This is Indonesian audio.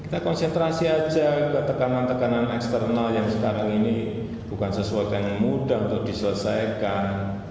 kita konsentrasi aja ke tekanan tekanan eksternal yang sekarang ini bukan sesuatu yang mudah untuk diselesaikan